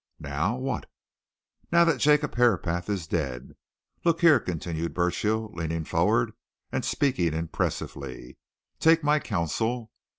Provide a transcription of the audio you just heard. "Now what?" "Now that Jacob Herapath is dead. Look here!" continued Burchill, leaning forward and speaking impressively. "Take my counsel.